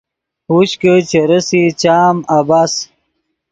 ہوش کہ چے رېسئے چام عبث